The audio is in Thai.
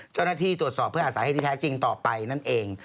เจ้าหน้าที่ตรวจสอบเพื่อหาสาเหตุที่แท้จริงต่อไปนั่นเอง